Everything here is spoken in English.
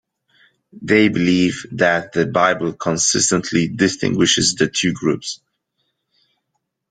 They believe that the Bible consistently distinguishes the two groups.